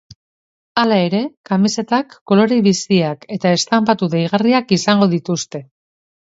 Hala ere, kamisetek kolore biziak eta estanpatu deigarriak izango dituzte.